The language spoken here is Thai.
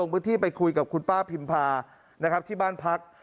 พื้นที่ไปคุยกับคุณป้าพิมพานะครับที่บ้านพัก